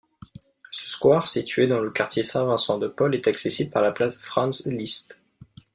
Ce square situé dans le quartier Saint-Vincent-de-Paul est accessible par la place Franz-Liszt.